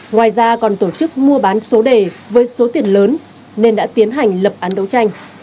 ngoài ra còn tổ chức mua bán số đề với số tiền lớn nên đã tiến hành lập án đấu tranh